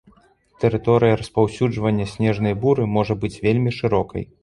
Тэрыторыя распаўсюджвання снежнай буры можа быць вельмі шырокай.